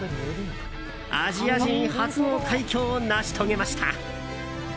アジア人初の快挙を成し遂げました。